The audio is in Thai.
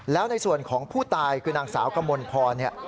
แล้วในส่วนของผู้ตายคือนางสาวกมลพรเนี่ย